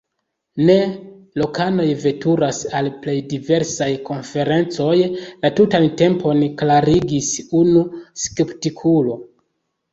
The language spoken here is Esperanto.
Ne, lokanoj veturas al plej diversaj konferencoj la tutan tempon, klarigis unu skeptikulo.